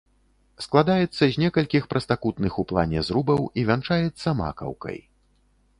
Складаецца з некалькіх прастакутных у плане зрубаў, і вянчаецца макаўкай.